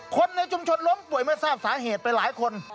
คนในชุมชนล้มป่วยไม่ทราบสาเหตุไปหลายคน